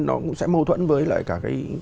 nó cũng sẽ mâu thuẫn với lại cả